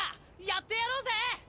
やってやろうぜ！